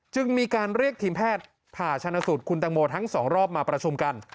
จึงมีการเรียกทีมแพทย์ผ่าชนะสูตรคุณตังโมทั้งสองรอบมาประชุมกัน